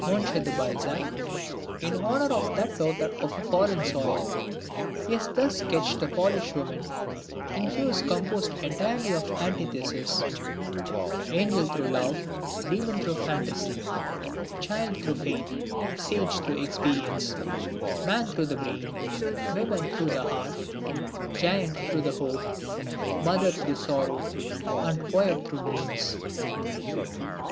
de Balzac, "in honor of that daughter of a foreign soil," he has thus sketched the Polish woman in hues composed entirely of antitheses: "Angel through love, demon through fantasy; child through faith, sage through experience; man through the brain, woman through the heart; giant through hope, mother through sorrow; and poet through dreams."